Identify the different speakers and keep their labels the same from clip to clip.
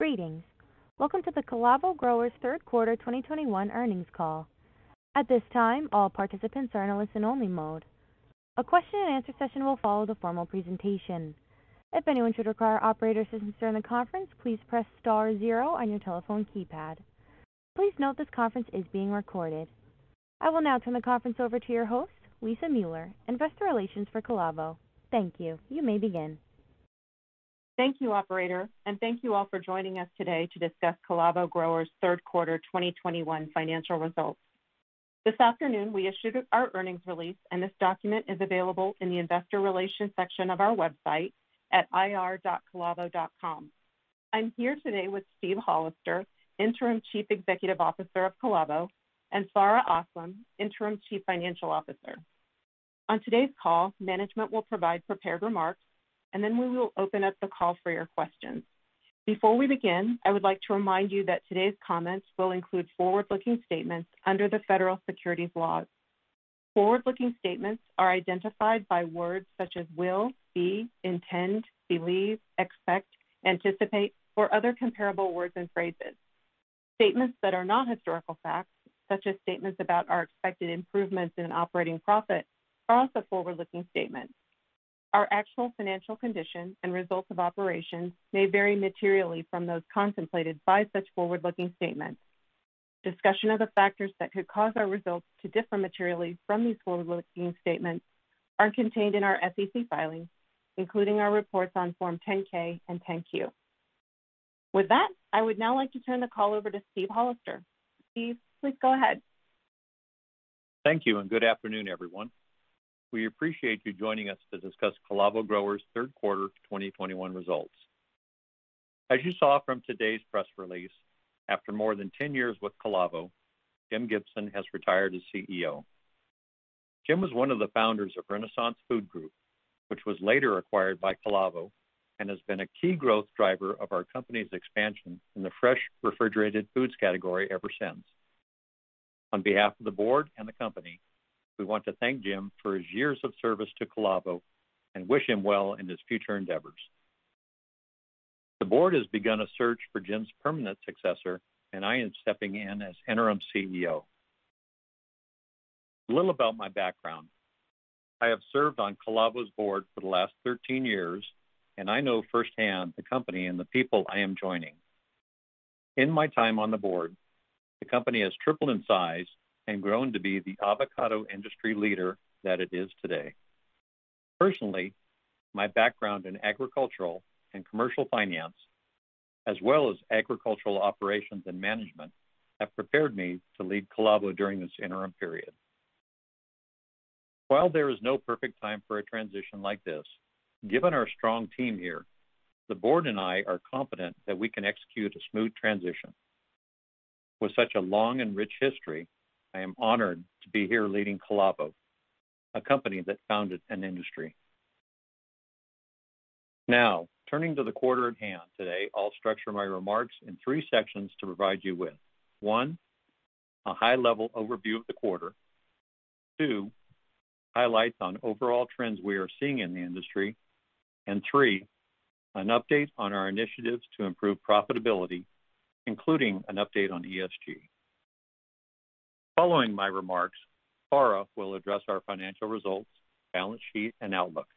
Speaker 1: Greetings. Welcome to the Calavo Growers third quarter 2021 earnings call. At this time, all participants are in a listen only mode. A question-and-answer session will follow the formal presentation. If anyone should require operator assistance during the conference, please press star zero on your telephone keypad. Please note this conference is being recorded. I will now turn the conference over to your host, Lisa Mueller, Investor Relations for Calavo. Thank you. You may begin.
Speaker 2: Thank you, operator, and thank you all for joining us today to discuss Calavo Growers' third quarter 2021 financial results. This afternoon, we issued our earnings release, and this document is available in the investor relations section of our website at ir.calavo.com. I'm here today with Steve Hollister, Interim Chief Executive Officer of Calavo, and Farha Aslam, Interim Chief Financial Officer. On today's call, management will provide prepared remarks, and then we will open up the call for your questions. Before we begin, I would like to remind you that today's comments will include forward-looking statements under the federal securities laws. Forward-looking statements are identified by words such as will, be, intend, believe, expect, anticipate, or other comparable words and phrases. Statements that are not historical facts, such as statements about our expected improvements in operating profit, are also forward-looking statements. Our actual financial condition and results of operations may vary materially from those contemplated by such forward-looking statements. Discussion of the factors that could cause our results to differ materially from these forward-looking statements are contained in our SEC filings, including our reports on Form 10-K and 10-Q. With that, I would now like to turn the call over to Steve Hollister. Steve, please go ahead.
Speaker 3: Thank you. Good afternoon, everyone. We appreciate you joining us to discuss Calavo Growers' third quarter 2021 results. As you saw from today's press release, after more than 10 years with Calavo, Jim Gibson has retired as CEO. Jim was one of the founders of Renaissance Food Group, which was later acquired by Calavo and has been a key growth driver of our company's expansion in the fresh refrigerated foods category ever since. On behalf of the board and the company, we want to thank Jim for his years of service to Calavo and wish him well in his future endeavors. The board has begun a search for Jim's permanent successor. I am stepping in as Interim CEO. A little about my background. I have served on Calavo's board for the last 13 years. I know firsthand the company and the people I am joining. In my time on the board, the company has tripled in size and grown to be the avocado industry leader that it is today. Personally, my background in agricultural and commercial finance, as well as agricultural operations and management, have prepared me to lead Calavo during this interim period. While there is no perfect time for a transition like this, given our strong team here, the board and I are confident that we can execute a smooth transition. With such a long and rich history, I am honored to be here leading Calavo, a company that founded an industry. Now, turning to the quarter at hand. Today, I'll structure my remarks in three sections to provide you with, one, a high-level overview of the quarter, two, highlights on overall trends we are seeing in the industry, three, an update on our initiatives to improve profitability, including an update on ESG. Following my remarks, Farha will address our financial results, balance sheet, and outlook.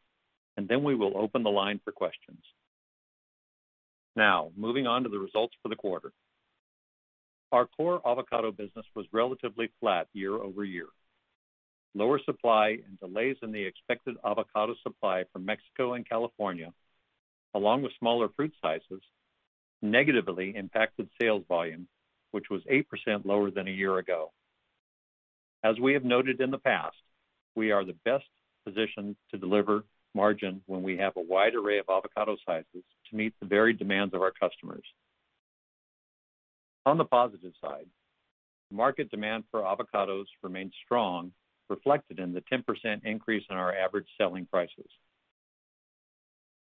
Speaker 3: Then we will open the line for questions. Moving on to the results for the quarter. Our core avocado business was relatively flat year-over-year. Lower supply and delays in the expected avocado supply from Mexico and California, along with smaller fruit sizes, negatively impacted sales volume, which was 8% lower than a year ago. As we have noted in the past, we are the best positioned to deliver margin when we have a wide array of avocado sizes to meet the varied demands of our customers. On the positive side, market demand for avocados remains strong, reflected in the 10% increase in our average selling prices.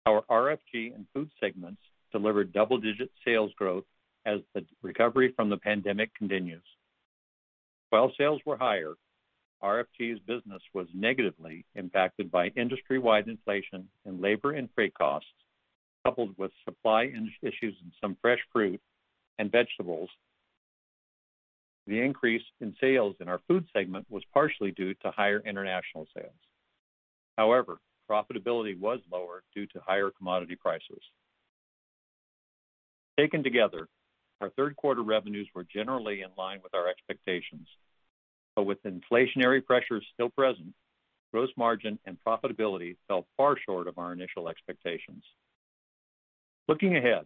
Speaker 3: Our RFG and Food segments delivered double-digit sales growth as the recovery from the pandemic continues. While sales were higher, RFG's business was negatively impacted by industry-wide inflation and labor and freight costs, coupled with supply issues and some fresh fruit and vegetables. The increase in sales in our Food segment was partially due to higher international sales. However, profitability was lower due to higher commodity prices. Taken together, our third quarter revenues were generally in line with our expectations. With inflationary pressures still present, gross margin and profitability fell far short of our initial expectations. Looking ahead,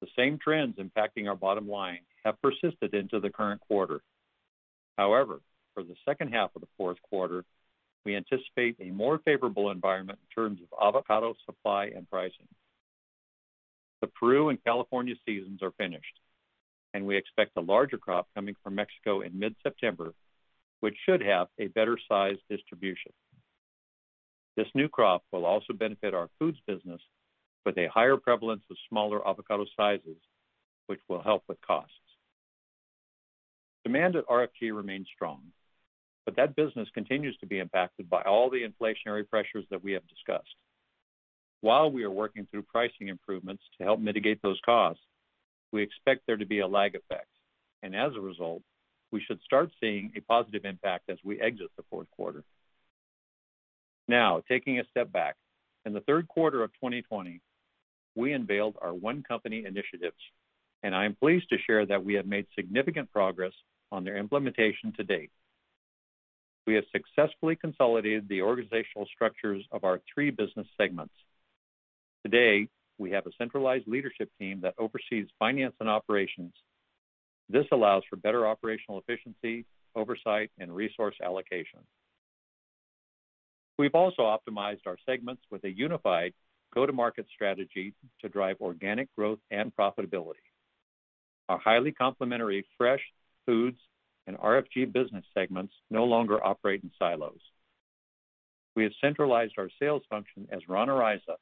Speaker 3: the same trends impacting our bottom line have persisted into the current quarter. However, for the second half of the fourth quarter, we anticipate a more favorable environment in terms of avocado supply and pricing. The Peru and California seasons are finished, and we expect a larger crop coming from Mexico in mid-September, which should have a better size distribution. This new crop will also benefit our foods business with a higher prevalence of smaller avocado sizes, which will help with costs. Demand at RFG remains strong, but that business continues to be impacted by all the inflationary pressures that we have discussed. While we are working through pricing improvements to help mitigate those costs, we expect there to be a lag effect. As a result, we should start seeing a positive impact as we exit the fourth quarter. Now, taking a step back. In the third quarter of 2020, we unveiled our One Company initiatives, and I am pleased to share that we have made significant progress on their implementation to date. We have successfully consolidated the organizational structures of our three business segments. Today, we have a centralized leadership team that oversees finance and operations. This allows for better operational efficiency, oversight, and resource allocation. We've also optimized our segments with a unified go-to-market strategy to drive organic growth and profitability. Our highly complementary Fresh Foods and RFG business segments no longer operate in silos. We have centralized our sales function as Ron Araiza,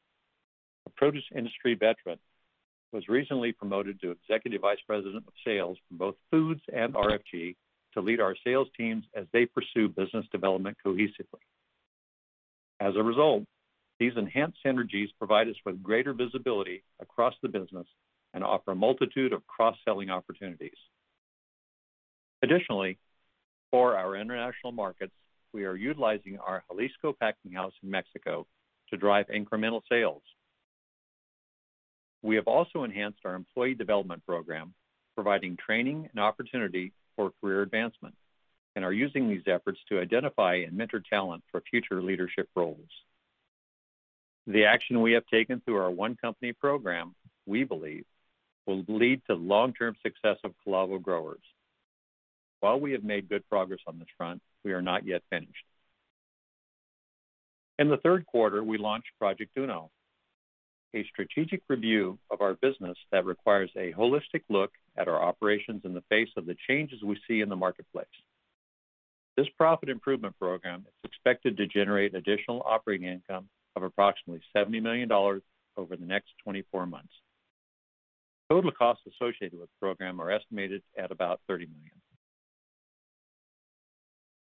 Speaker 3: a produce industry veteran, was recently promoted to Executive Vice President of Sales from both Foods and RFG to lead our sales teams as they pursue business development cohesively. As a result, these enhanced synergies provide us with greater visibility across the business and offer a multitude of cross-selling opportunities. For our international markets, we are utilizing our Jalisco packing house in Mexico to drive incremental sales. We have also enhanced our employee development program, providing training and opportunity for career advancement and are using these efforts to identify and mentor talent for future leadership roles. The action we have taken through our One Company program, we believe, will lead to long-term success of Calavo Growers. We have made good progress on this front, we are not yet finished. In the third quarter, we launched Project Uno, a strategic review of our business that requires a holistic look at our operations in the face of the changes we see in the marketplace. This profit improvement program is expected to generate additional operating income of approximately $70 million over the next 24 months. Total costs associated with the program are estimated at about $30 million.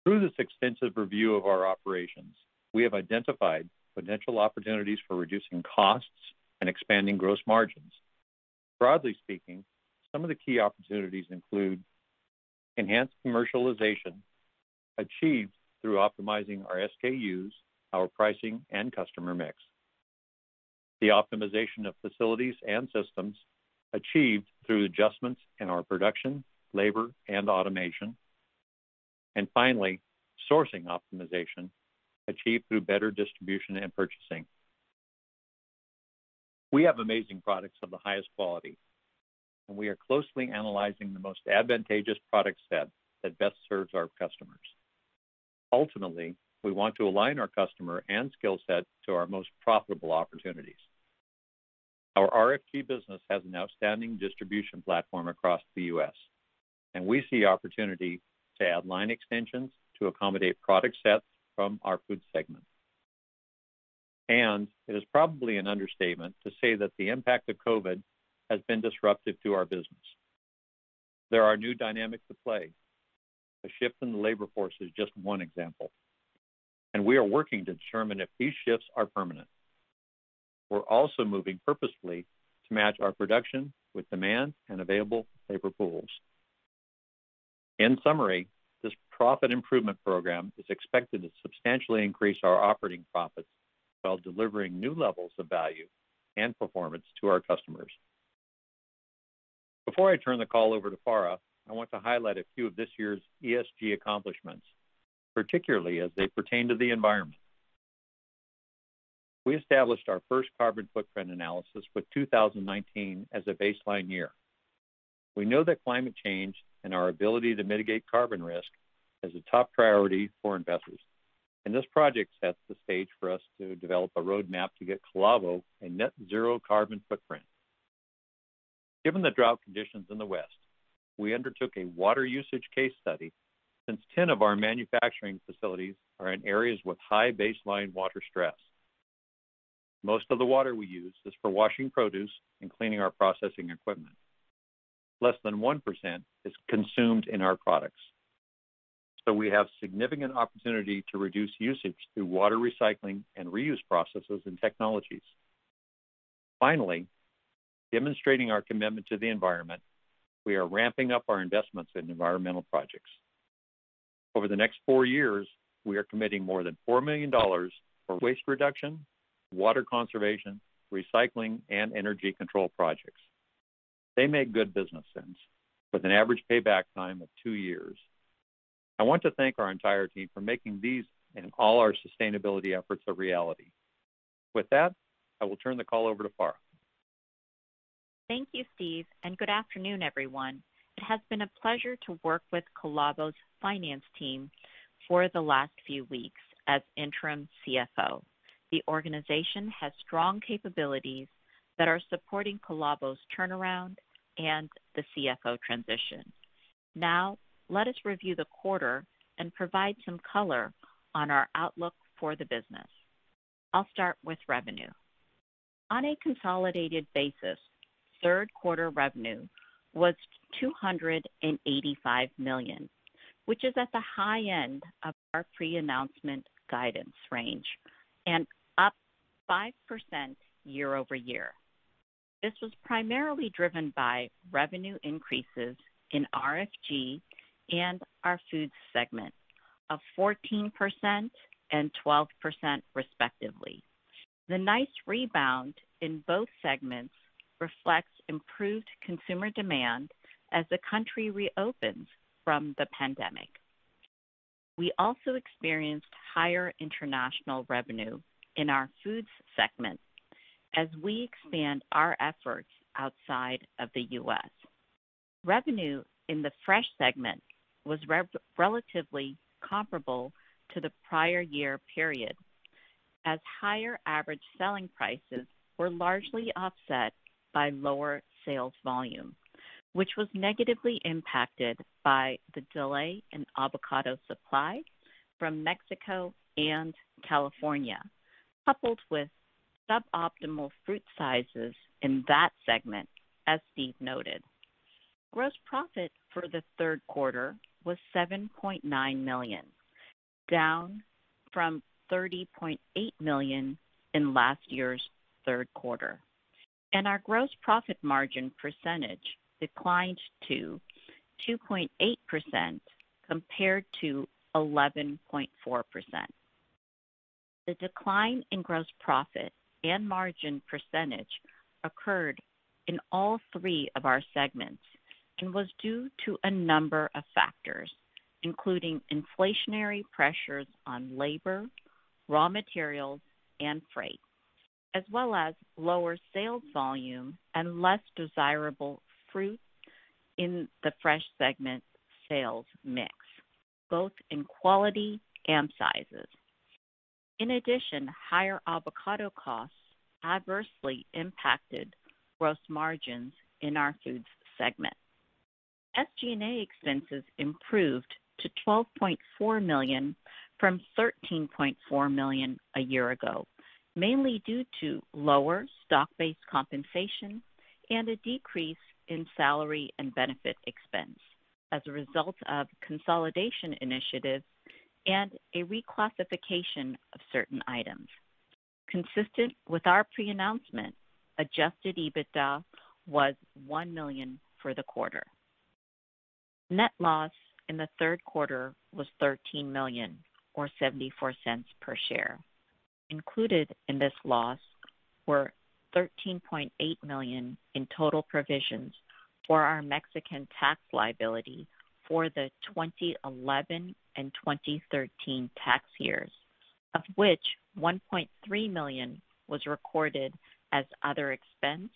Speaker 3: Through this extensive review of our operations, we have identified potential opportunities for reducing costs and expanding gross margins. Broadly speaking, some of the key opportunities include enhanced commercialization achieved through optimizing our SKUs, our pricing, and customer mix, the optimization of facilities and systems achieved through adjustments in our production, labor, and automation, and finally, sourcing optimization achieved through better distribution and purchasing. We have amazing products of the highest quality, and we are closely analyzing the most advantageous product set that best serves our customers. Ultimately, we want to align our customer and skill set to our most profitable opportunities. Our RFG business has an outstanding distribution platform across the U.S., we see opportunity to add line extensions to accommodate product sets from our Food segment. It is probably an understatement to say that the impact of COVID has been disruptive to our business. There are new dynamics at play. A shift in the labor force is just one example, and we are working to determine if these shifts are permanent. We're also moving purposefully to match our production with demand and available labor pools. In summary, this profit improvement program is expected to substantially increase our operating profits while delivering new levels of value and performance to our customers. Before I turn the call over to Farha, I want to highlight a few of this year's ESG accomplishments, particularly as they pertain to the environment. We established our first carbon footprint analysis with 2019 as a baseline year. We know that climate change and our ability to mitigate carbon risk is a top priority for investors, and this project sets the stage for us to develop a roadmap to get Calavo a net zero carbon footprint. Given the drought conditions in the West, we undertook a water usage case study since 10 of our manufacturing facilities are in areas with high baseline water stress. Most of the water we use is for washing produce and cleaning our processing equipment. Less than 1% is consumed in our products. We have significant opportunity to reduce usage through water recycling and reuse processes and technologies. Finally, demonstrating our commitment to the environment, we are ramping up our investments in environmental projects. Over the next four years, we are committing more than $4 million for waste reduction, water conservation, recycling, and energy control projects. They make good business sense with an average payback time of two years. I want to thank our entire team for making these and all our sustainability efforts a reality. With that, I will turn the call over to Farha.
Speaker 4: Thank you, Steve, and good afternoon, everyone. It has been a pleasure to work with Calavo's finance team for the last few weeks as Interim CFO. The organization has strong capabilities that are supporting Calavo's turnaround and the CFO transition. Let us review the quarter and provide some color on our outlook for the business. I'll start with revenue. On a consolidated basis, third quarter revenue was $285 million, which is at the high end of our pre-announcement guidance range and up 5% year-over-year. This was primarily driven by revenue increases in RFG and our Foods segment of 14% and 12%, respectively. The nice rebound in both segments reflects improved consumer demand as the country reopens from the pandemic. We also experienced higher international revenue in our Foods Segment as we expand our efforts outside of the U.S. Revenue in the Fresh segment was relatively comparable to the prior year period, as higher average selling prices were largely offset by lower sales volume, which was negatively impacted by the delay in avocado supply from Mexico and California, coupled with suboptimal fruit sizes in that segment, as Steve noted. Gross profit for the third quarter was $7.9 million, down from $30.8 million in last year's third quarter. Our gross profit margin percentage declined to 2.8% compared to 11.4%. The decline in gross profit and margin percentage occurred in all three of our segments and was due to a number of factors, including inflationary pressures on labor, raw materials, and freight, as well as lower sales volume and less desirable fruit in the Fresh segment sales mix, both in quality and sizes. In addition, higher avocado costs adversely impacted gross margins in our Foods segment. SG&A expenses improved to $12.4 million from $13.4 million a year ago, mainly due to lower stock-based compensation and a decrease in salary and benefit expense as a result of consolidation initiatives and a reclassification of certain items. Consistent with our pre-announcement, Adjusted EBITDA was $1 million for the quarter. Net loss in the third quarter was $13 million, or $0.74 per share. Included in this loss were $13.8 million in total provisions for our Mexican tax liability for the 2011 and 2013 tax years, of which $1.3 million was recorded as other expense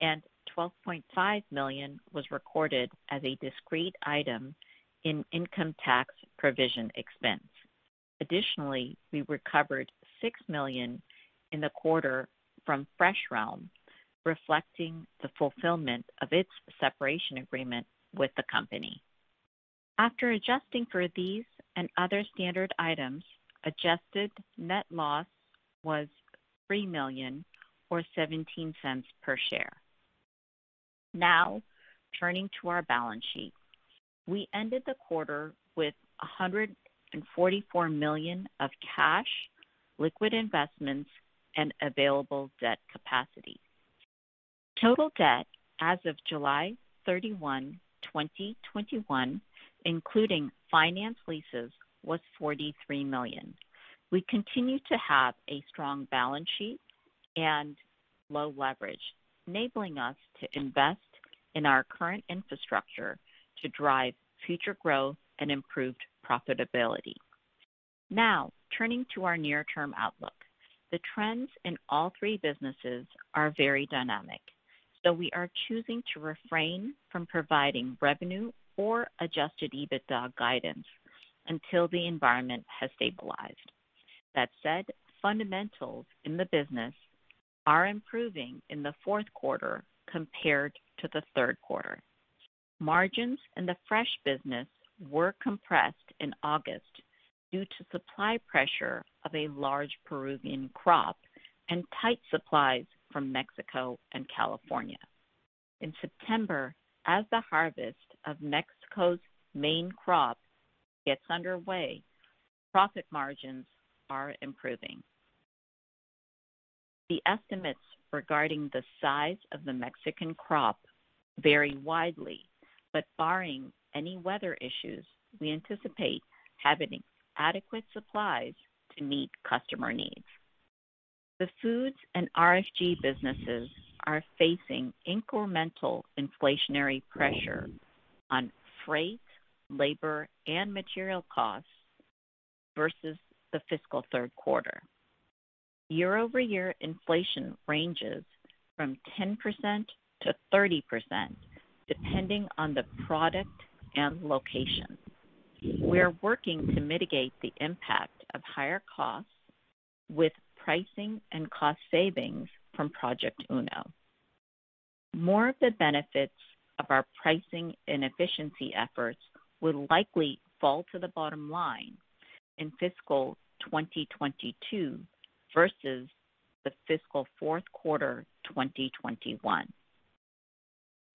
Speaker 4: and $12.5 million was recorded as a discrete item in income tax provision expense. Additionally, we recovered $6 million in the quarter from FreshRealm, reflecting the fulfillment of its separation agreement with the company. After adjusting for these and other standard items, adjusted net loss was $3 million, or $0.17 per share. Turning to our balance sheet. We ended the quarter with $144 million of cash, liquid investments, and available debt capacity. Total debt as of July 31, 2021, including finance leases, was $43 million. We continue to have a strong balance sheet and low leverage, enabling us to invest in our current infrastructure to drive future growth and improved profitability. Turning to our near-term outlook. The trends in all three businesses are very dynamic, we are choosing to refrain from providing revenue or Adjusted EBITDA guidance until the environment has stabilized. That said, fundamentals in the business are improving in the fourth quarter compared to the third quarter. Margins in the Fresh business were compressed in August due to supply pressure of a large Peruvian crop and tight supplies from Mexico and California. In September, as the harvest of Mexico's main crop gets underway, profit margins are improving. The estimates regarding the size of the Mexican crop vary widely, but barring any weather issues, we anticipate having adequate supplies to meet customer needs. The Foods and RFG businesses are facing incremental inflationary pressure on freight, labor, and material costs versus the fiscal third quarter. Year-over-year inflation ranges from 10%-30%, depending on the product and location. We are working to mitigate the impact of higher costs with pricing and cost savings from Project Uno. More of the benefits of our pricing and efficiency efforts will likely fall to the bottom line in fiscal 2022 versus the fiscal fourth quarter 2021.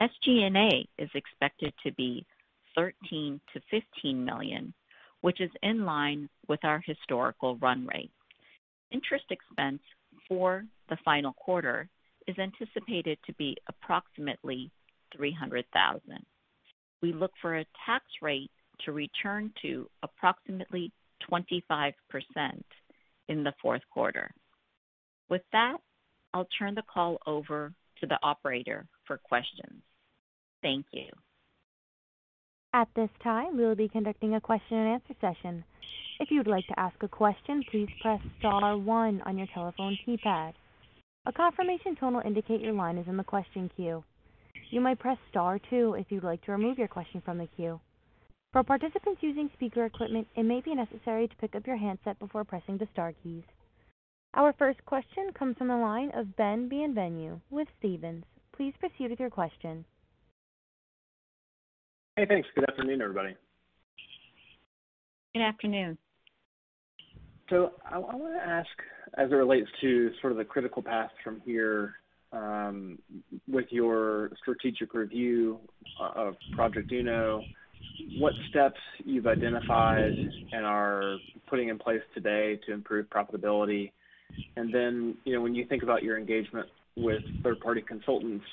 Speaker 4: SG&A is expected to be $13 million-$15 million, which is in line with our historical run rate. Interest expense for the final quarter is anticipated to be approximately $300,000. We look for a tax rate to return to approximately 25% in the fourth quarter. With that, I'll turn the call over to the operator for questions. Thank you.
Speaker 1: At this time, we will be conducting a question-and-answer session. If you would like to ask a question, please press star one on your telephone keypad. A confirmation tone will indicate your line is in the question queue. You may press star two if you'd like to remove your question from the queue. For participants using speaker equipment, it may be necessary to pick up your handset before pressing the star keys. Our first question comes from the line of Ben Bienvenu with Stephens. Please proceed with your question.
Speaker 5: Hey, thanks. Good afternoon, everybody.
Speaker 4: Good afternoon.
Speaker 5: I want to ask, as it relates to sort of the critical path from here with your strategic review of Project Uno, what steps you've identified and are putting in place today to improve profitability. When you think about your engagement with third-party consultants,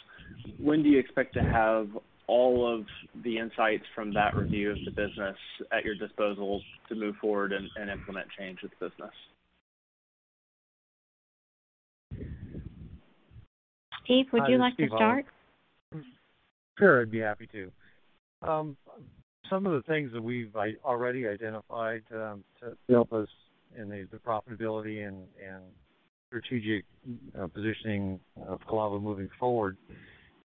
Speaker 5: when do you expect to have all of the insights from that review of the business at your disposal to move forward and implement change with the business?
Speaker 4: Steve, would you like to start?
Speaker 3: Sure, I'd be happy to. Some of the things that we've already identified to help us in the profitability and strategic positioning of Calavo moving forward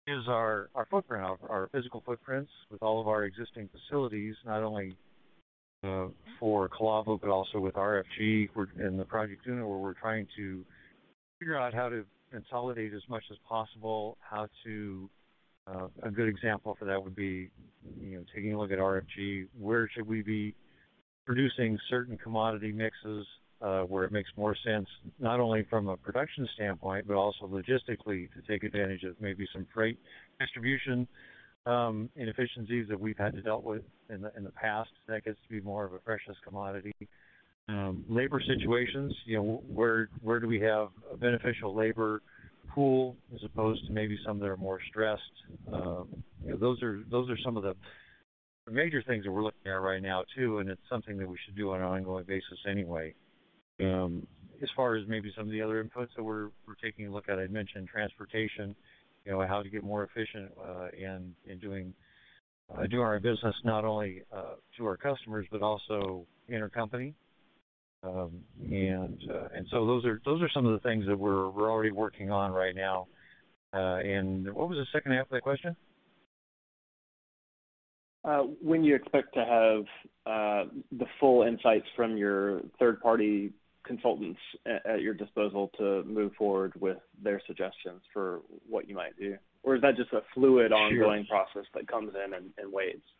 Speaker 3: is our footprint, our physical footprints with all of our existing facilities, not only for Calavo, but also with RFG. We're in the Project Uno, where we're trying to figure out how to consolidate as much as possible. A good example for that would be taking a look at RFG. Where should we be producing certain commodity mixes where it makes more sense, not only from a production standpoint, but also logistically, to take advantage of maybe some freight distribution inefficiencies that we've had to deal with in the past? That gets to be more of a freshest commodity. Labor situations, where do we have a beneficial labor pool as opposed to maybe some that are more stressed? Those are some of the major things that we're looking at right now too. It's something that we should do on an ongoing basis anyway. As far as maybe some of the other inputs that we're taking a look at, I'd mentioned transportation, how to get more efficient in doing our business, not only to our customers, but also intercompany. Those are some of the things that we're already working on right now. What was the second half of that question?
Speaker 5: When do you expect to have the full insights from your third-party consultants at your disposal to move forward with their suggestions for what you might do?
Speaker 3: Sure
Speaker 5: ongoing process that comes in and weighs?
Speaker 3: Well, they've come in and done a strategic-- pardon me?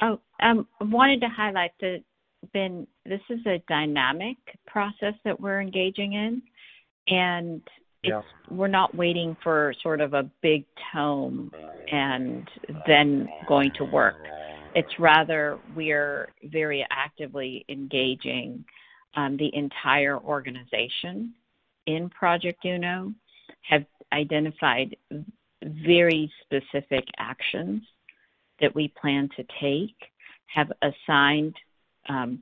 Speaker 4: Oh, I wanted to highlight that, Ben, this is a dynamic process that we're engaging in.
Speaker 3: Yeah.
Speaker 4: We're not waiting for sort of a big tome and then going to work. It's rather, we're very actively engaging the entire organization in Project Uno, have identified very specific actions that we plan to take, have assigned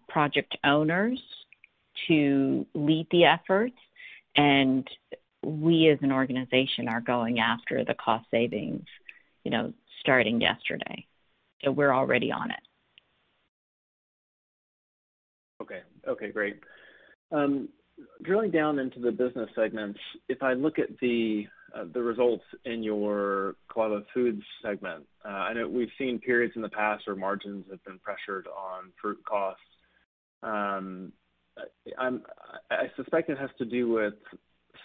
Speaker 4: project owners to lead the effort, and we, as an organization, are going after the cost savings starting yesterday. We're already on it.
Speaker 5: Okay. Great. Drilling down into the business segments, if I look at the results in your Calavo Foods segment, I know we've seen periods in the past where margins have been pressured on fruit costs. I suspect it has to do with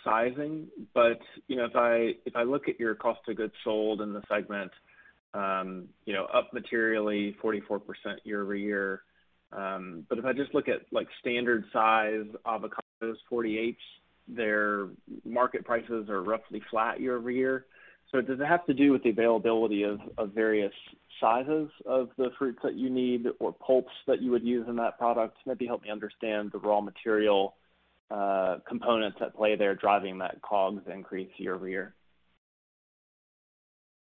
Speaker 5: sizing, but if I look at your cost of goods sold in the segment up materially 44% year-over-year. If I just look at standard size avocados, 48s, their market prices are roughly flat year-over-year. Does it have to do with the availability of various sizes of the fruits that you need or pulps that you would use in that product? Maybe help me understand the raw material components at play there driving that COGS increase year-over-year.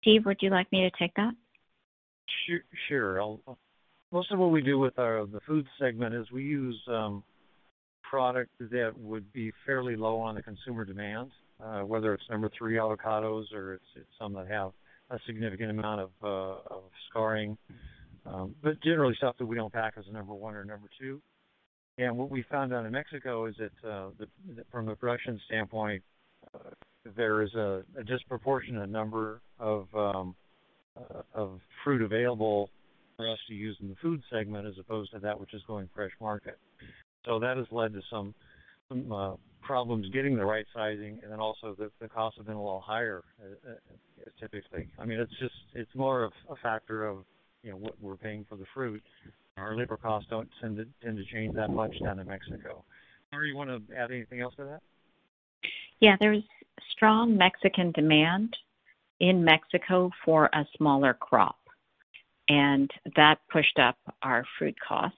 Speaker 4: Steve, would you like me to take that?
Speaker 3: Sure. Most of what we do with the Food segment is we use product that would be fairly low on the consumer demand, whether it's number three avocados or it's some that have a significant amount of scarring. Generally, stuff that we don't pack as a number one or number two. What we found out in Mexico is that from a production standpoint, there is a disproportionate number of fruit available for us to use in the Food segment as opposed to that which is going fresh market. That has led to some problems getting the right sizing, and then also the costs have been a little higher, typically. It's more of a factor of what we're paying for the fruit. Our labor costs don't tend to change that much down in Mexico. Farha, you want to add anything else to that?
Speaker 4: Yeah. There's strong Mexican demand in Mexico for a smaller crop. That pushed up our fruit costs.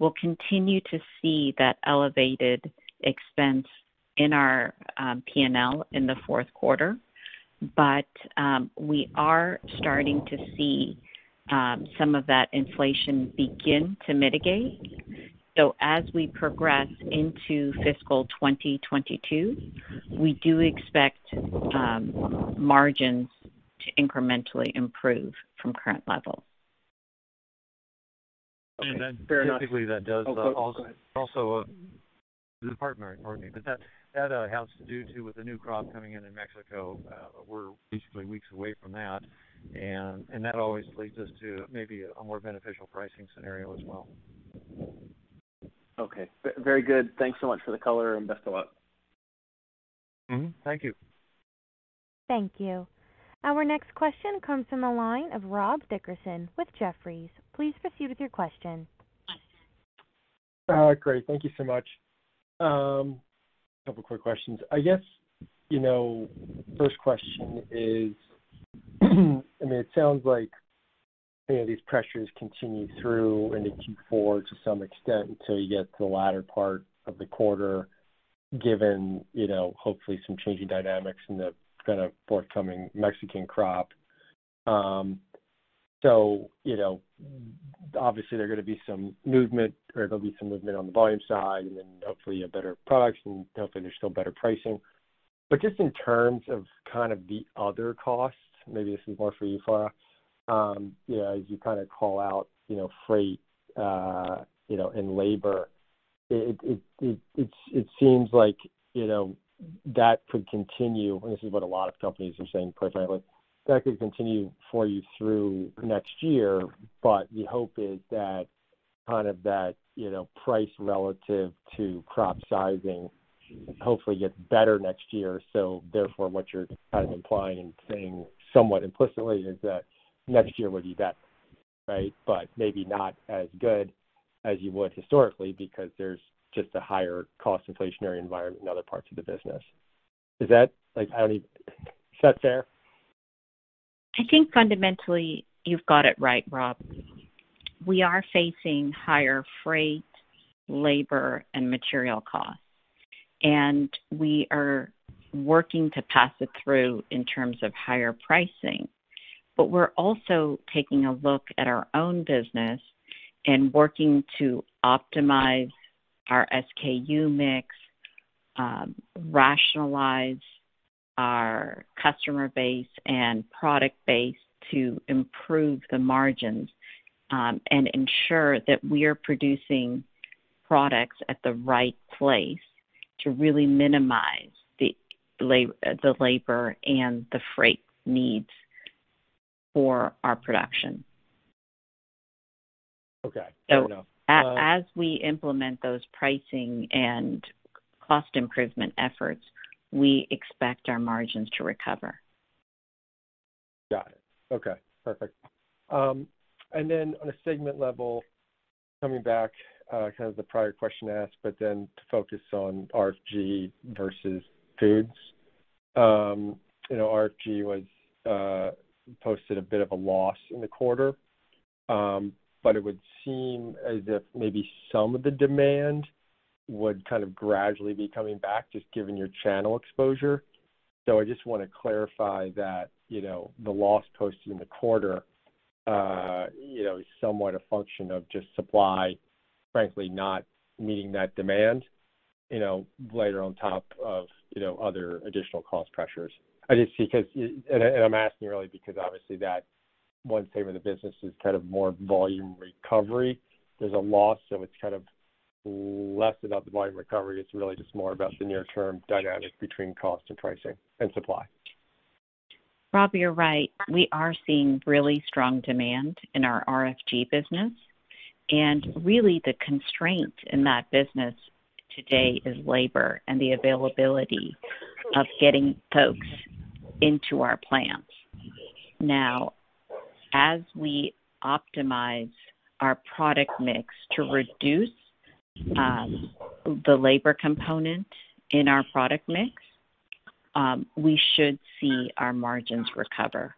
Speaker 4: We'll continue to see that elevated expense in our P&L in the fourth quarter. We are starting to see some of that inflation begin to mitigate. As we progress into fiscal 2022, we do expect margins to incrementally improve from current levels.
Speaker 3: Typically that does also.
Speaker 5: Okay. Fair enough. Oh, go ahead
Speaker 3: Also, pardon Farha Aslam, pardon me. That has to do, too, with the new crop coming in in Mexico. We're basically weeks away from that, and that always leads us to maybe a more beneficial pricing scenario as well.
Speaker 5: Okay. Very good. Thanks so much for the color, and best of luck.
Speaker 3: Thank you.
Speaker 1: Thank you. Our next question comes from the line of Rob Dickerson with Jefferies. Please proceed with your question.
Speaker 6: Great. Thank you so much. two quick questions. I guess, first question is, it sounds like these pressures continue through into Q4 to some extent until you get to the latter part of the quarter, given hopefully some changing dynamics in the forthcoming Mexican crop. obviously, there are going to be some movement, or there'll be some movement on the volume side, and then hopefully you have better products and hopefully there's still better pricing. just in terms of the other costs, maybe this is more for you, Farha, as you call out freight and labor, it seems like that could continue. this is what a lot of companies are saying, quite frankly, that could continue for you through next year. the hope is that that price relative to crop sizing hopefully gets better next year. Therefore, what you're implying and saying somewhat implicitly is that next year would be better. Right? Maybe not as good as you would historically because there's just a higher cost inflationary environment in other parts of the business. Is that fair?
Speaker 4: I think fundamentally you've got it right, Rob. We are facing higher freight, labor, and material costs. We are working to pass it through in terms of higher pricing. We're also taking a look at our own business and working to optimize our SKU mix, rationalize our customer base and product base to improve the margins, and ensure that we are producing products at the right place to really minimize the labor and the freight needs for our production.
Speaker 6: Okay. Fair enough.
Speaker 4: As we implement those pricing and cost improvement efforts, we expect our margins to recover.
Speaker 6: Got it. Okay, perfect. On a segment level, coming back, the prior question asked, to focus on RFG versus Foods. RFG posted a bit of a loss in the quarter. It would seem as if maybe some of the demand would gradually be coming back, just given your channel exposure. I just want to clarify that the loss posted in the quarter is somewhat a function of just supply, frankly, not meeting that demand later on top of other additional cost pressures. I'm asking really because obviously that one segment of the business is more volume recovery. There's a loss, it's less about the volume recovery. It's really just more about the near-term dynamic between cost and pricing and supply.
Speaker 4: Rob, you're right. We are seeing really strong demand in our RFG business. Really the constraint in that business today is labor and the availability of getting folks into our plants. As we optimize our product mix to reduce the labor component in our product mix, we should see our margins recover.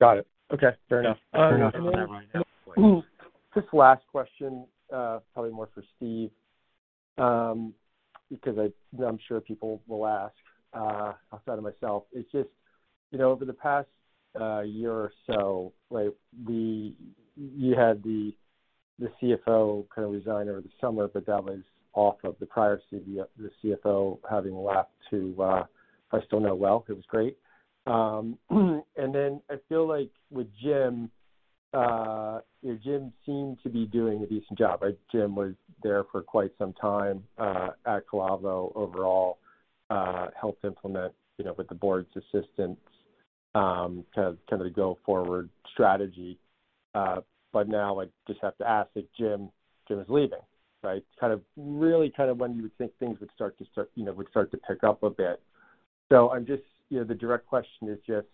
Speaker 6: Got it. Okay, fair enough. Fair enough on that one. Just last question, probably more for Steve, because I'm sure people will ask outside of myself. It's just over the past year or so, you had the CFO resign over the summer, that was off of the prior CFO having left to I still know well, who was great. I feel like with Jim seemed to be doing a decent job. Jim was there for quite some time at Calavo overall, helped implement, with the board's assistance, kind of the go forward strategy. Now I just have to ask that Jim is leaving. Really when you would think things would start to pick up a bit. The direct question is just,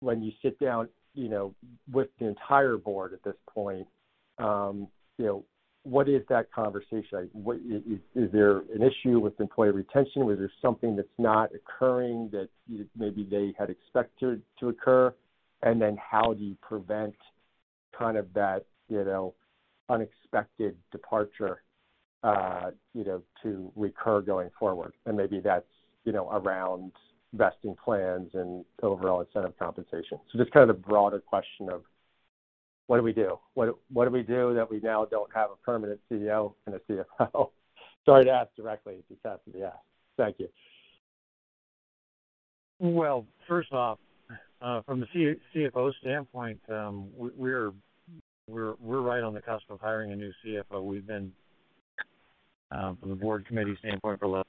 Speaker 6: when you sit down with the entire board at this point, what is that conversation? Is there an issue with employee retention? Was there something that's not occurring that maybe they had expected to occur? How do you prevent that unexpected departure to recur going forward? Maybe that's around vesting plans and overall incentive compensation. Just kind of the broader question of what do we do? What do we do that we now don't have a permanent CEO and a CFO? Sorry to ask directly, just had to be asked. Thank you.
Speaker 3: Well, first off, from the CFO standpoint, we're right on the cusp of hiring a new CFO. We've been, from the board committee standpoint, for the last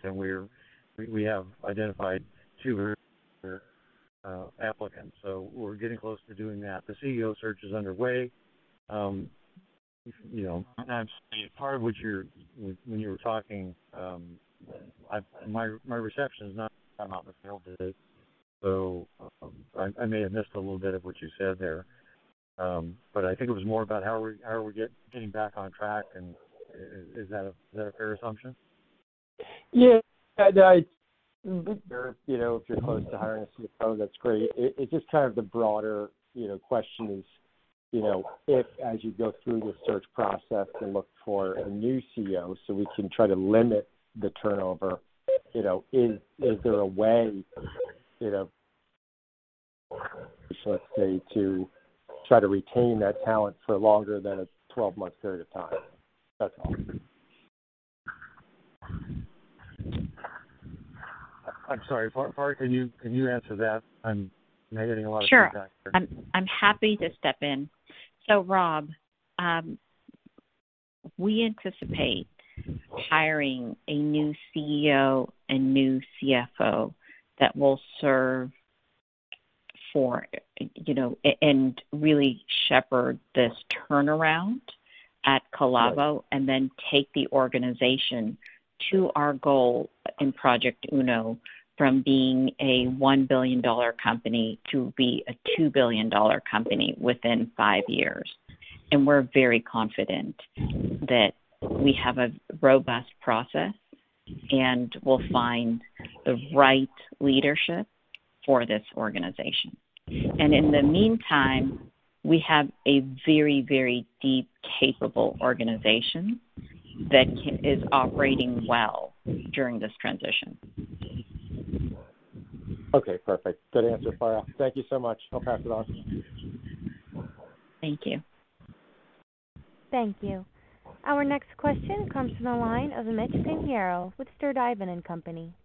Speaker 3: several weeks, and we have identified two very good applicants. We're getting close to doing that. The CEO search is underway. I'm sorry, part of when you were talking, my reception is not the best, so I may have missed a little bit of what you said there. I think it was more about how are we getting back on track, and is that a fair assumption?
Speaker 6: If you're close to hiring a CFO, that's great. It's just kind of the broader question is, if as you go through your search process to look for a new CEO, so we can try to limit the turnover, is there a way, let's say, to try to retain that talent for longer than a 12-month period of time? That's all.
Speaker 3: I'm sorry. Farha, can you answer that? I'm not getting a lot of feedback here.
Speaker 4: Sure. I'm happy to step in. Rob, we anticipate hiring a new CEO and new CFO that will serve for, and really shepherd this turnaround at Calavo, and then take the organization to our goal in Project Uno from being a $1 billion company to be a $2 billion company within five years. We're very confident that we have a robust process, and we'll find the right leadership for this organization. In the meantime, we have a very, very deep, capable organization that is operating well during this transition.
Speaker 6: Okay, perfect. Good answer, Farha. Thank you so much. I'll pass it on.
Speaker 4: Thank you.
Speaker 1: Thank you. Our next question comes from the line of Mitchell Pinheiro with Sturdivant & Co..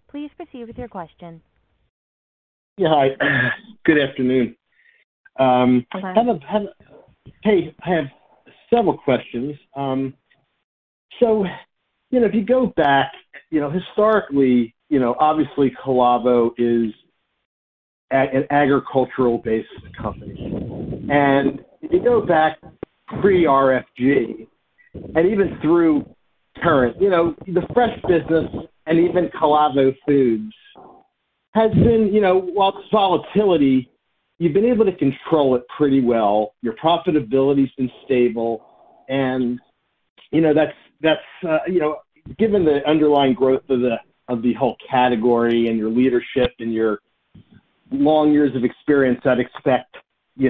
Speaker 1: Please proceed with your question.
Speaker 7: Yeah, hi. Good afternoon.
Speaker 4: Hi.
Speaker 7: Hey. I have several questions. If you go back historically, obviously Calavo is an agricultural-based company. If you go back pre-RFG, and even through current, the fresh business and even Calavo Foods has been, while the volatility, you've been able to control it pretty well. Your profitability's been stable. Given the underlying growth of the whole category and your leadership and your long years of experience, I'd expect you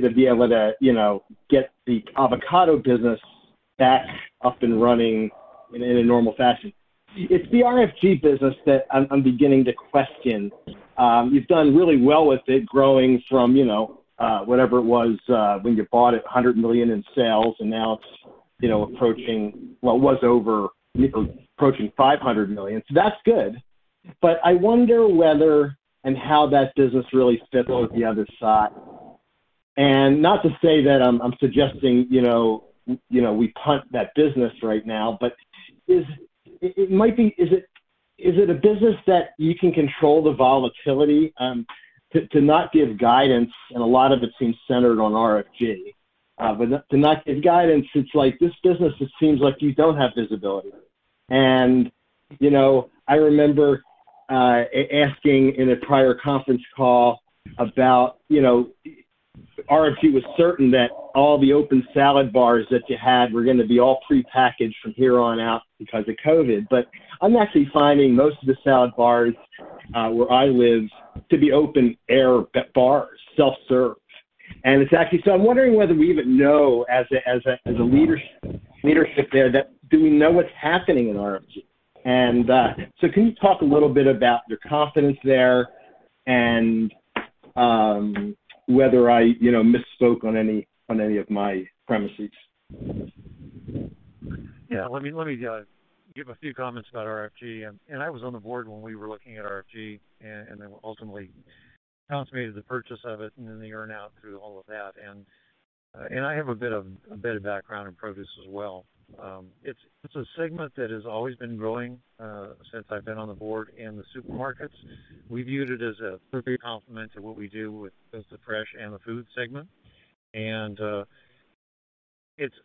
Speaker 7: to be able to get the avocado business back up and running in a normal fashion. It's the RFG business that I'm beginning to question. You've done really well with it growing from whatever it was when you bought it, $100 million in sales, and now it's approaching, well, it was over approaching $500 million. That's good. I wonder whether and how that business really fits with the other side. Not to say that I'm suggesting we punt that business right now, but is it a business that you can control the volatility? To not give guidance, and a lot of it seems centered on RFG, but to not give guidance, it's like this business just seems like you don't have visibility. I remember asking in a prior conference call about RFG was certain that all the open salad bars that you had were going to be all prepackaged from here on out because of COVID. I'm actually finding most of the salad bars where I live to be open air bars, self-serve. I'm wondering whether we even know as a leadership there, do we know what's happening in RFG? Can you talk a little bit about your confidence there and whether I misspoke on any of my premises?
Speaker 3: Yeah. Let me give a few comments about RFG. I was on the board when we were looking at RFG and then ultimately consummated the purchase of it and then the earn-out through all of that. I have a bit of background in produce as well. It's a segment that has always been growing since I've been on the board in the supermarkets. We viewed it as a perfect complement to what we do with both the fresh and Food segment.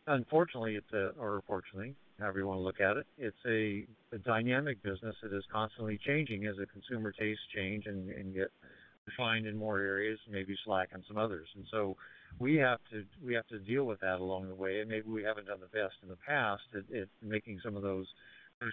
Speaker 3: Unfortunately, or fortunately, however you want to look at it's a dynamic business that is constantly changing as the consumer tastes change and get refined in more areas, maybe slack in some others. We have to deal with that along the way, and maybe we haven't done the best in the past at making some of those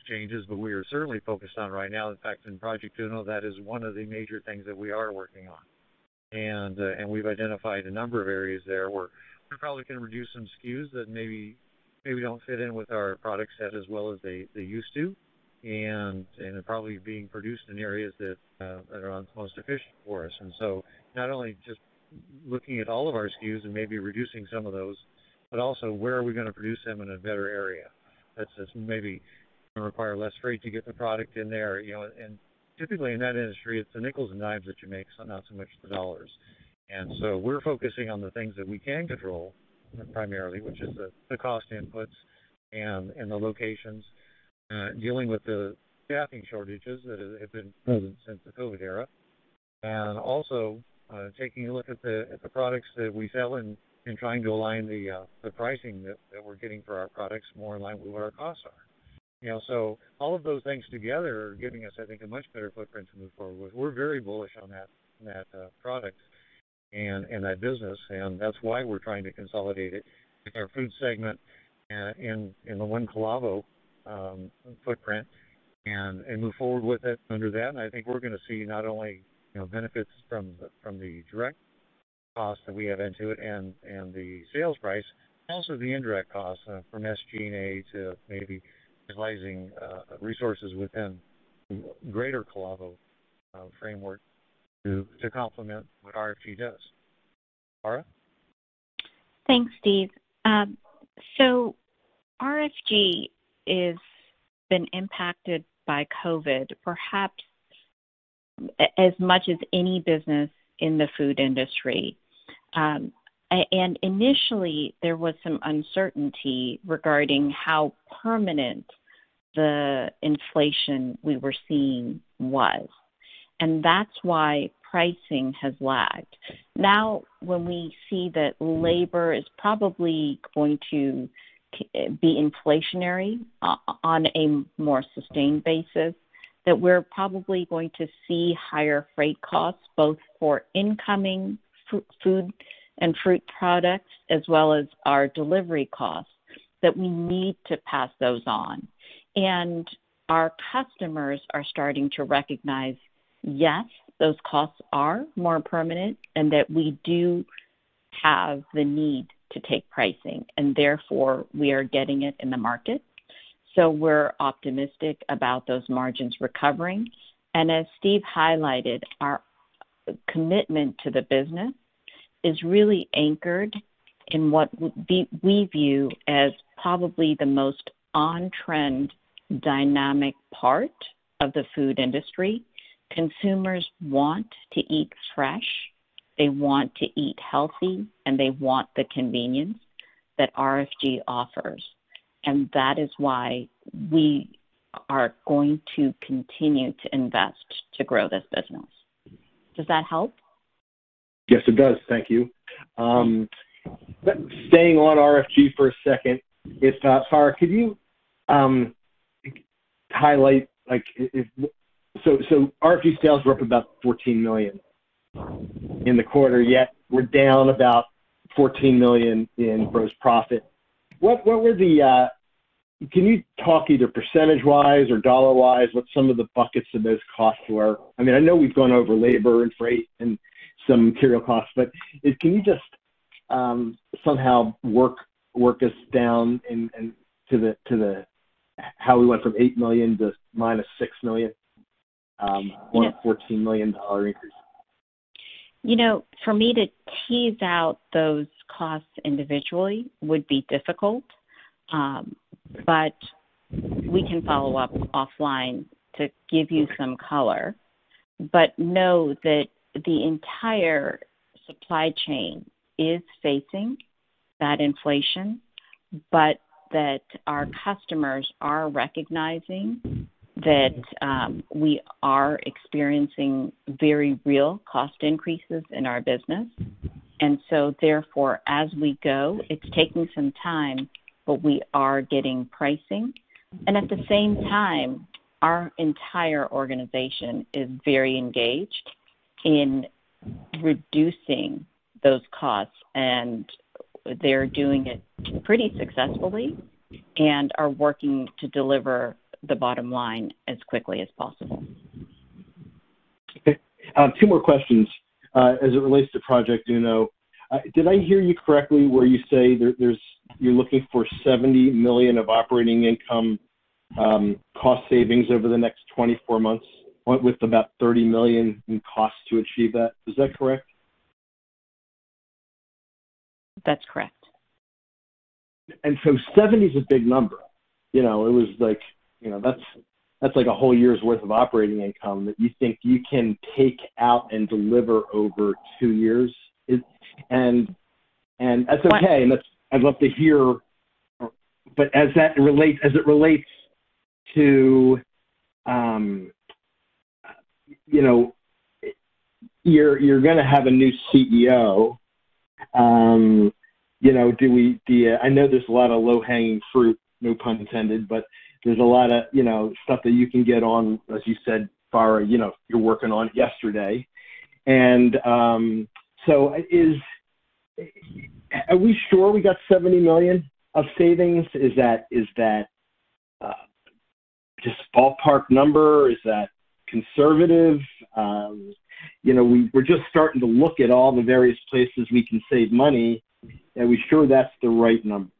Speaker 3: changes. We are certainly focused on it right now. In fact, in Project Uno, that is one of the major things that we are working on. We've identified a number of areas there where we probably can reduce some SKUs that maybe don't fit in with our product set as well as they used to, and are probably being produced in areas that aren't the most efficient for us. Not only just looking at all of our SKUs and maybe reducing some of those, but also where are we going to produce them in a better area that's just maybe going to require less freight to get the product in there. Typically in that industry, it's the nickels and dimes that you make, so not so much the dollars. We're focusing on the things that we can control primarily, which is the cost inputs and the locations, dealing with the staffing shortages that have been present since the COVID era. Also taking a look at the products that we sell and trying to align the pricing that we're getting for our products more in line with what our costs are. All of those things together are giving us, I think, a much better footprint to move forward with. We're very bullish on that product and that business, and that's why we're trying to consolidate it with our Food segment in the one Calavo footprint and move forward with it under that. I think we're going to see not only benefits from the direct costs that we have into it and the sales price, but also the indirect costs from SG&A to maybe utilizing resources within the greater Calavo framework to complement what RFG does. Farha?
Speaker 4: Thanks, Steve. RFG has been impacted by COVID perhaps as much as any business in the food industry. Initially, there was some uncertainty regarding how permanent the inflation we were seeing was, and that's why pricing has lagged. When we see that labor is probably going to be inflationary on a more sustained basis, that we're probably going to see higher freight costs, both for incoming food and fruit products, as well as our delivery costs, that we need to pass those on. Our customers are starting to recognize, yes, those costs are more permanent and that we do have the need to take pricing, and therefore we are getting it in the market. We're optimistic about those margins recovering. As Steve highlighted, our commitment to the business is really anchored in what we view as probably the most on-trend dynamic part of the food industry. Consumers want to eat fresh, they want to eat healthy, and they want the convenience that RFG offers. That is why we are going to continue to invest to grow this business. Does that help?
Speaker 7: Yes, it does. Thank you. Staying on RFG for a second, Farha, RFG sales were up about $14 million in the quarter, yet we're down about $14 million in gross profit. Can you talk either percentage-wise or dollar-wise what some of the buckets of those costs were? I know we've gone over labor and freight and some material costs, but can you just somehow work us down how we went from $8 million to -$6 million on a $14 million increase?
Speaker 4: For me to tease out those costs individually would be difficult. We can follow up offline to give you some color. Know that the entire supply chain is facing that inflation, but that our customers are recognizing that we are experiencing very real cost increases in our business. Therefore, as we go, it's taking some time, but we are getting pricing. At the same time, our entire organization is very engaged in reducing those costs, and they're doing it pretty successfully and are working to deliver the bottom line as quickly as possible.
Speaker 7: Okay. Two more questions. As it relates to Project Uno, did I hear you correctly where you say that you're looking for $70 million of operating income cost savings over the next 24 months, with about $30 million in costs to achieve that? Is that correct?
Speaker 4: That's correct.
Speaker 7: $70 million is a big number. That's like a whole year's worth of operating income that you think you can take out and deliver over two years. That's okay, and I'd love to hear, but as that relates to You're going to have a new CEO. I know there's a lot of low-hanging fruit, no pun intended, but there's a lot of stuff that you can get on, as you said, Farha, you're working on yesterday. Are we sure we got $70 million of savings? Is that just a ballpark number? Is that conservative? We're just starting to look at all the various places we can save money. Are we sure that's the right number?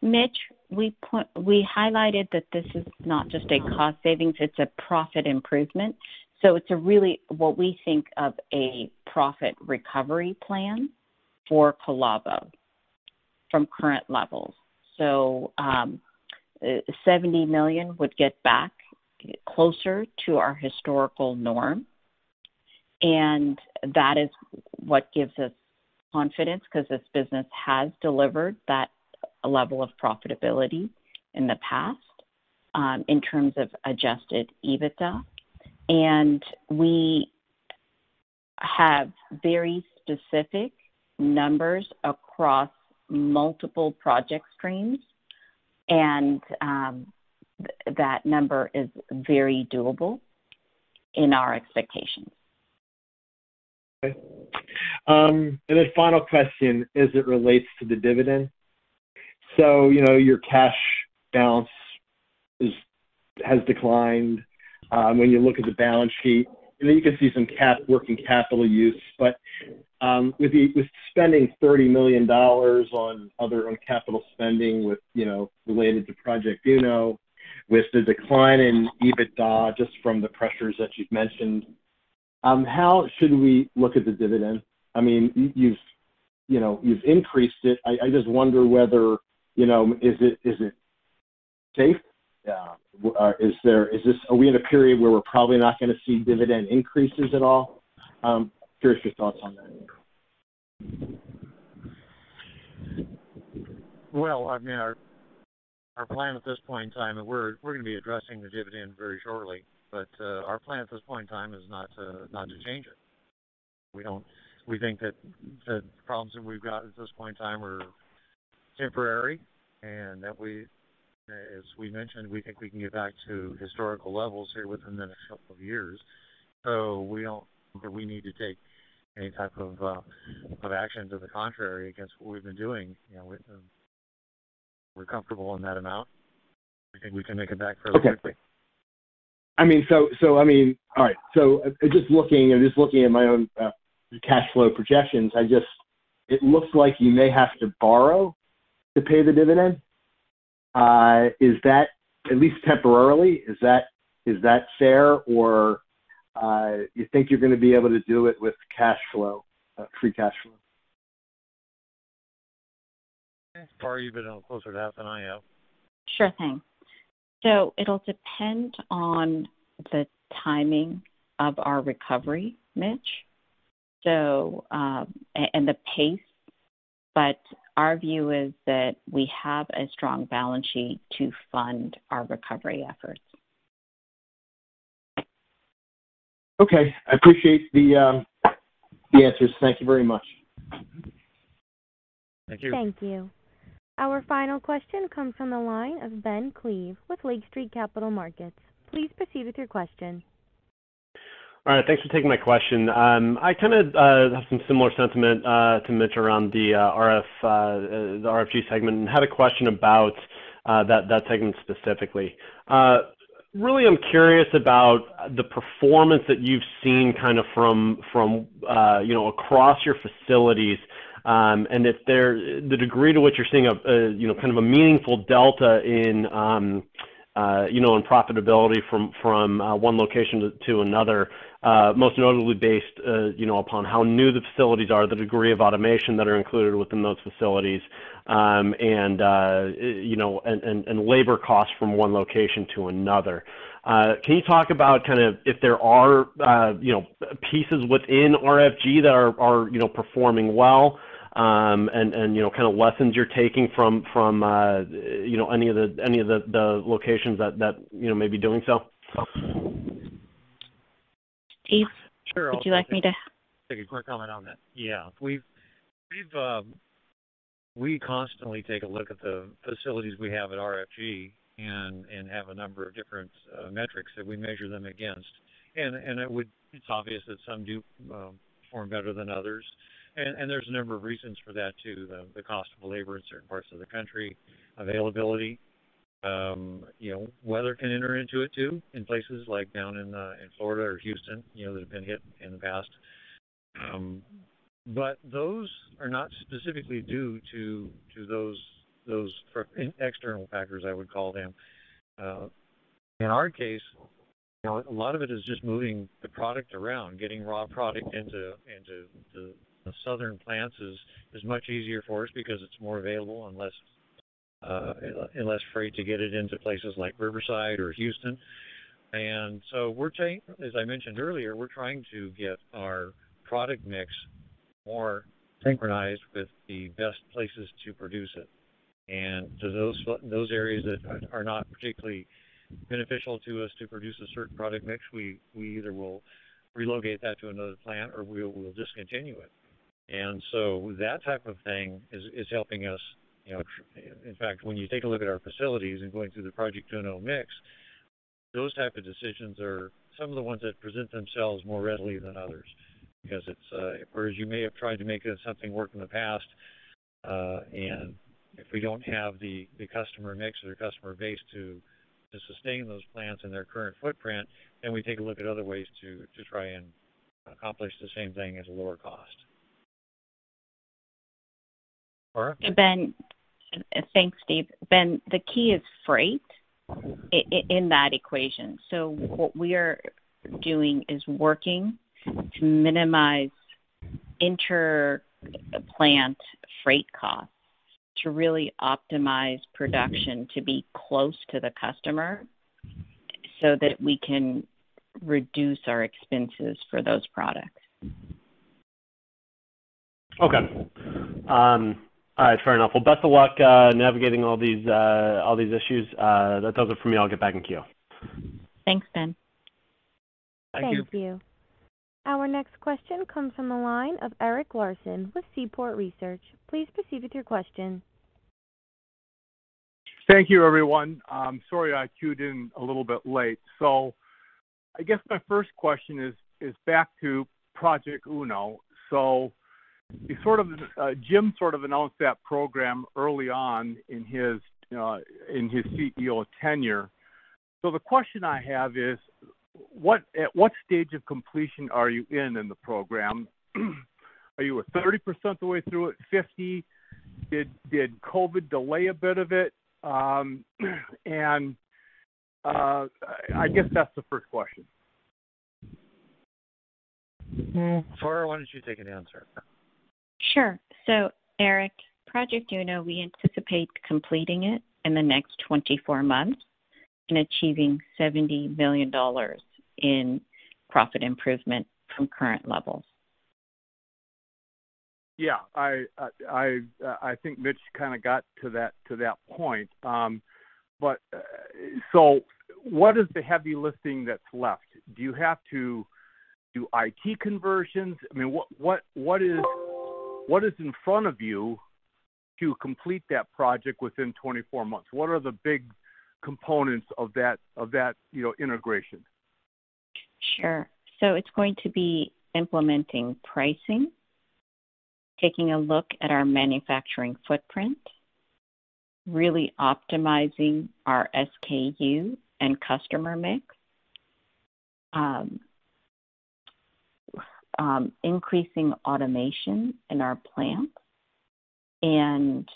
Speaker 4: Mitch, we highlighted that this is not just a cost savings, it's a profit improvement. It's really what we think of as a profit recovery plan for Calavo from current levels. $70 million would get back closer to our historical norm, that is what gives us confidence, because this business has delivered that level of profitability in the past in terms of Adjusted EBITDA. We have very specific numbers across multiple project streams, that number is very doable in our expectations.
Speaker 7: Okay. Final question as it relates to the dividend. Your cash balance has declined. When you look at the balance sheet, and then you can see some working capital use. With spending $30 million on other capital spending related to Project Uno, with the decline in EBITDA just from the pressures that you've mentioned, how should we look at the dividend? You've increased it. I just wonder whether, is it safe? Are we in a period where we're probably not going to see dividend increases at all? Curious your thoughts on that.
Speaker 3: Well, our plan at this point in time, and we're going to be addressing the dividend very shortly, but our plan at this point in time is not to change it. We think that the problems that we've got at this point in time are temporary and that we, as we mentioned, we think we can get back to historical levels here within the next couple of years. We don't think that we need to take any type of actions to the contrary against what we've been doing. We're comfortable in that amount. We think we can make it back fairly quickly.
Speaker 7: Okay. Just looking at my own cash flow projections, it looks like you may have to borrow to pay the dividend. At least temporarily, is that fair, or you think you're going to be able to do it with free cash flow?
Speaker 3: Farha, you've been closer to that than I have.
Speaker 4: Sure thing. It'll depend on the timing of our recovery, Mitch, and the pace. Our view is that we have a strong balance sheet to fund our recovery efforts.
Speaker 7: Okay. I appreciate the answers. Thank you very much.
Speaker 4: Thank you.
Speaker 1: Thank you. Our final question comes from the line of Ben Klieve with Lake Street Capital Markets. Please proceed with your question.
Speaker 8: All right. Thanks for taking my question. I have some similar sentiment to Mitch around the RFG segment and had a question about that segment specifically. Really, I'm curious about the performance that you've seen from across your facilities, and the degree to which you're seeing a meaningful Delta in profitability from one location to another. Most notably based upon how new the facilities are, the degree of automation that are included within those facilities, and labor costs from one location to another. Can you talk about if there are pieces within RFG that are performing well, and lessons you're taking from any of the locations that may be doing so?
Speaker 4: Steve, would you like me to?
Speaker 3: Sure. I'll take a quick comment on that. Yeah. We constantly take a look at the facilities we have at RFG and have a number of different metrics that we measure them against. It's obvious that some do perform better than others. There's a number of reasons for that, too, the cost of labor in certain parts of the country, availability. Weather can enter into it, too, in places like down in Florida or Houston, that have been hit in the past. Those are not specifically due to those external factors, I would call them. In our case. A lot of it is just moving the product around. Getting raw product into the southern plants is much easier for us because it's more available and less freight to get it into places like Riverside or Houston. As I mentioned earlier, we're trying to get our product mix more synchronized with the best places to produce it. To those areas that are not particularly beneficial to us to produce a certain product mix, we either will relocate that to another plant or we'll discontinue it. That type of thing is helping us. In fact, when you take a look at our facilities and going through the Project Uno mix, those type of decisions are some of the ones that present themselves more readily than others. Whereas you may have tried to make something work in the past, and if we don't have the customer mix or the customer base to sustain those plants in their current footprint, then we take a look at other ways to try and accomplish the same thing at a lower cost. Farha?
Speaker 4: Ben. Thanks, Steve. Ben, the key is freight in that equation. What we are doing is working to minimize inter-plant freight costs to really optimize production to be close to the customer so that we can reduce our expenses for those products.
Speaker 8: Okay. All right. Fair enough. Best of luck navigating all these issues. That does it for me. I'll get back in queue.
Speaker 4: Thanks, Ben.
Speaker 8: Thank you.
Speaker 1: Thank you. Our next question comes from the line of Eric Larson with Seaport Research. Please proceed with your question.
Speaker 9: Thank you, everyone. Sorry I queued in a little bit late. I guess my first question is back to Project Uno. Jim sort of announced that program early on in his CEO tenure. The question I have is, at what stage of completion are you in in the program? Are you at 30% the way through it, 50? Did COVID delay a bit of it? I guess that's the first question.
Speaker 3: Farha, why don't you take an answer?
Speaker 4: Sure. Eric, Project Uno, we anticipate completing it in the next 24 months and achieving $70 million in profit improvement from current levels.
Speaker 9: Yeah. I think Mitch kind of got to that point. What is the heavy lifting that's left? Do you have to do IT conversions? What is in front of you to complete that project within 24 months? What are the big components of that integration?
Speaker 4: Sure. It's going to be implementing pricing, taking a look at our manufacturing footprint, really optimizing our SKU and customer mix, increasing automation in our plants, and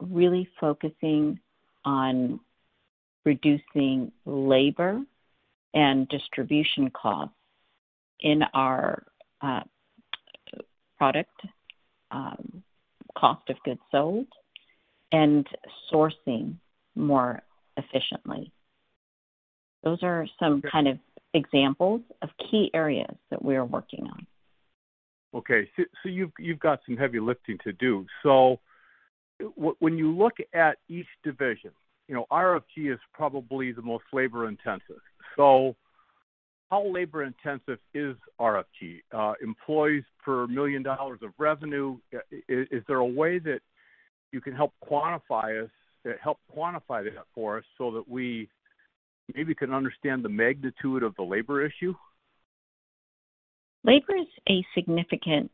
Speaker 4: really focusing on reducing labor and distribution costs in our product cost of goods sold, and sourcing more efficiently. Those are some kind of examples of key areas that we are working on.
Speaker 9: Okay. You've got some heavy lifting to do. When you look at each division, RFG is probably the most labor-intensive. How labor-intensive is RFG? Employees per million dollars of revenue? Is there a way that you can help quantify that for us so that we maybe can understand the magnitude of the labor issue?
Speaker 4: Labor is a significant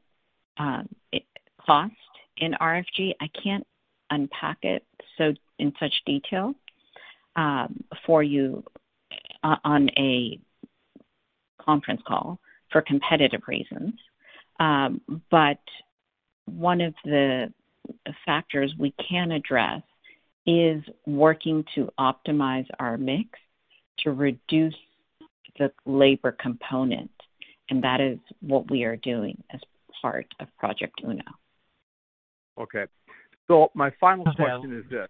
Speaker 4: cost in RFG. I can't unpack it in such detail for you on a conference call for competitive reasons. One of the factors we can address is working to optimize our mix to reduce the labor component, and that is what we are doing as part of Project Uno.
Speaker 9: Okay. My final question is this.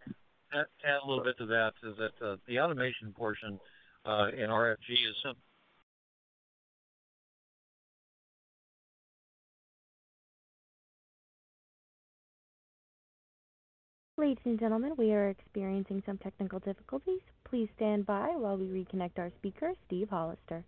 Speaker 3: To add a little bit to that, is that the automation portion in RFG is.
Speaker 1: Ladies and gentlemen, we are experiencing some technical difficulties. Please stand by while we reconnect our speaker, Steve Hollister.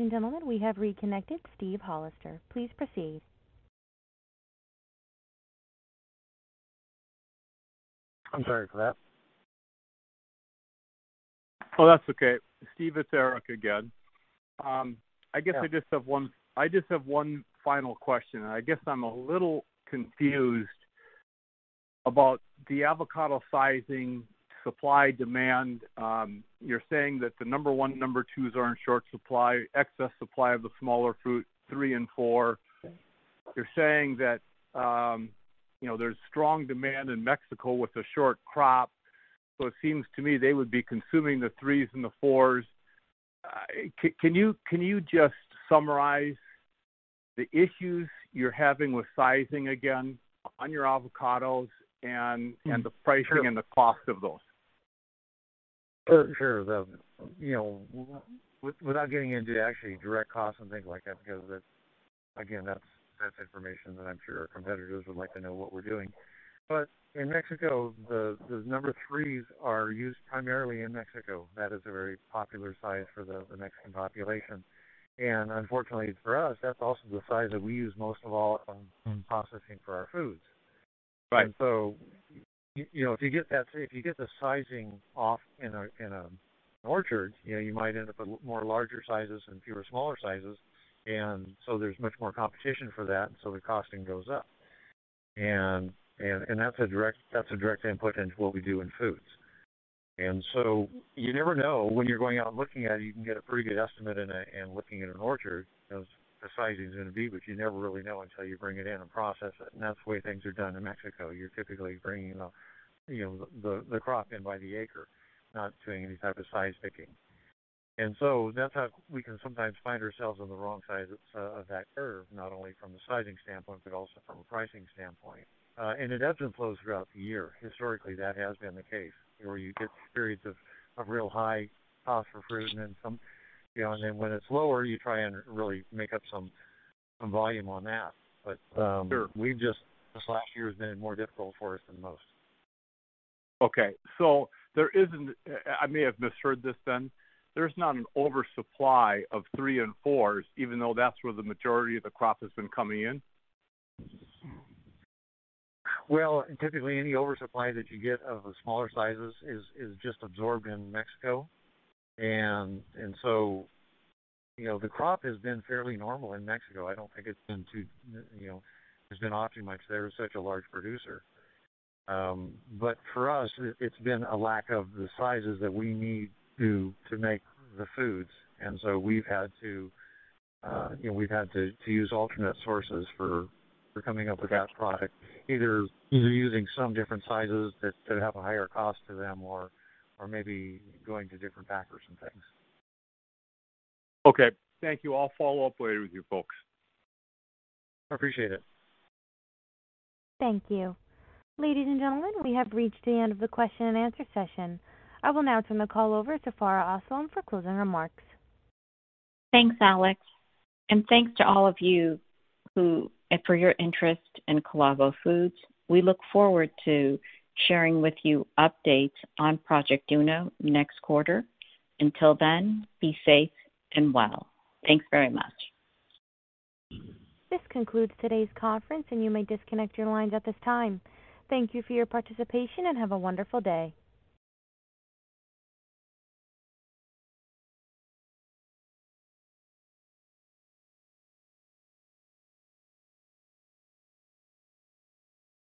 Speaker 1: Ladies and gentlemen, we have reconnected Steven Hollister. Please proceed.
Speaker 3: I'm sorry for that.
Speaker 9: Oh, that's okay. Steve, it's Eric again.
Speaker 3: Yeah.
Speaker 9: I just have one final question. I guess I'm a little confused about the avocado sizing supply-demand. You're saying that the number one and number twos are in short supply, excess supply of the smaller fruit, three and four.
Speaker 3: Okay.
Speaker 9: You're saying that there's strong demand in Mexico with a short crop. It seems to me they would be consuming the threes and the fours. Can you just summarize the issues you're having with sizing again on your avocados, and the pricing and the cost of those?
Speaker 3: Sure. Without getting into actually direct costs and things like that, because again, that's information that I'm sure our competitors would like to know what we're doing. In Mexico, the number threes are used primarily in Mexico. That is a very popular size for the Mexican population. Unfortunately for us, that's also the size that we use most of all in processing for our foods.
Speaker 9: Right.
Speaker 3: If you get the sizing off in an orchard, you might end up with more larger sizes and fewer smaller sizes. There's much more competition for that, and so the costing goes up. That's a direct input into what we do in foods. You never know when you're going out and looking at it, you can get a pretty good estimate in looking at an orchard, the sizing is going to be, but you never really know until you bring it in and process it. That's the way things are done in Mexico. You're typically bringing the crop in by the acre, not doing any type of size picking. That's how we can sometimes find ourselves on the wrong side of that curve, not only from a sizing standpoint, but also from a pricing standpoint. It ebbs and flows throughout the year. Historically, that has been the case, where you get periods of real high cost for fruit, and then when it's lower, you try and really make up some volume on that.
Speaker 9: Sure.
Speaker 3: This last year has been more difficult for us than most.
Speaker 9: Okay. I may have misheard this then. There's not an oversupply of three and fours, even though that's where the majority of the crop has been coming in?
Speaker 3: Well, typically any oversupply that you get of the smaller sizes is just absorbed in Mexico. The crop has been fairly normal in Mexico. I don't think there's been off too much. They're such a large producer. For us, it's been a lack of the sizes that we need to make the foods. We've had to use alternate sources for coming up with that product. Either using some different sizes that have a higher cost to them or maybe going to different packers and things.
Speaker 9: Okay. Thank you. I'll follow up later with you folks.
Speaker 3: Appreciate it.
Speaker 1: Thank you. Ladies and gentlemen, we have reached the end of the question-and-answer session. I will now turn the call over to Farha Aslam for closing remarks.
Speaker 4: Thanks, Alex. Thanks to all of you for your interest in Calavo Foods. We look forward to sharing with you updates on Project Uno next quarter. Until then, be safe and well. Thanks very much.
Speaker 1: This concludes today's conference. You may disconnect your lines at this time. Thank you for your participation. Have a wonderful day.